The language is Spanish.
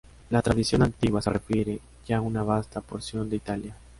La tradición antigua se refiere ya a una vasta porción de Italia.